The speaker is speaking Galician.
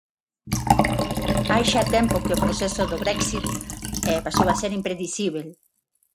Hai xa hai tempo que o proceso do Brexit pasou a ser impredicíbel.